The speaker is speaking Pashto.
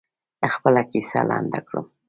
خپله کیسه لنډه کړم.